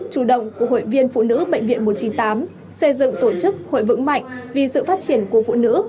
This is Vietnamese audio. chủ động của hội viên phụ nữ bệnh viện một trăm chín mươi tám xây dựng tổ chức hội vững mạnh vì sự phát triển của phụ nữ